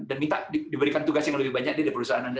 dan minta diberikan tugas yang lebih banyak di perusahaan anda